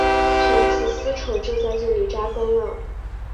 从此丝绸就在这里扎根了。